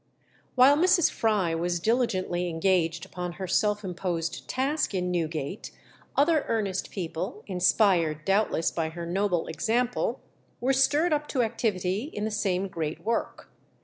While Mrs. Fry was diligently engaged upon her self imposed task in Newgate, other earnest people, inspired doubtless by her noble example, were stirred up to activity in the same great work.